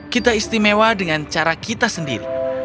kita istimewa dengan cara kita sendiri